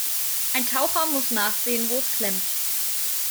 Ein Taucher muss nachsehen, wo es klemmt.